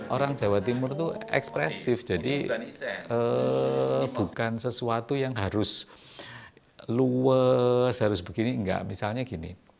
orang jawa timur itu ekspresif jadi bukan sesuatu yang harus luwes harus begini enggak misalnya gini